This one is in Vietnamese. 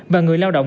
và người lao động